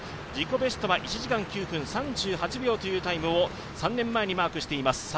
自己ベスト１時間９分３８秒というタイムを昨年にマークしています。